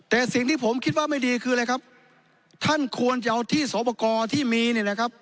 แต่สิ่งที่ผมคิดว่าไม่ดีคืออะไรครับท่านควรจะเอาที่สอบประกอบที่มีเนี่ยนะครับ